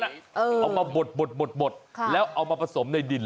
เอามาบดแล้วเอามาผสมในดิน